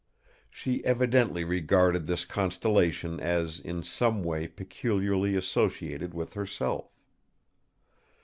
She evidently regarded this constellation as in some way peculiarly associated with herself.